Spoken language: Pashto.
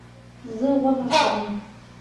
زه غوښه خورم